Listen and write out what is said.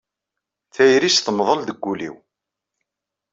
Tayri-s temḍel deg wul-iw.